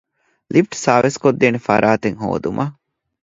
ލިފްޓް ސާރވިސްކޮށްދޭނެ ފަރާތެއް ހޯދުމަށް